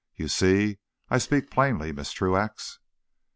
You see I speak plainly, Mrs. Truax."